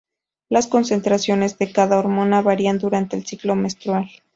Las concentraciones de cada hormona varían durante el ciclo menstrual.